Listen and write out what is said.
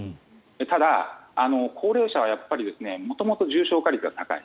ただ、高齢者はやっぱり元々、重症化率が高い。